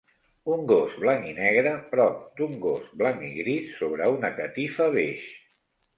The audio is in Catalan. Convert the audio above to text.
Un gos blanc i negre prop d'un gos blanc i gris sobre una catifa beix.